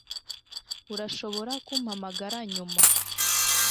Urashobora kumpamagara nyuma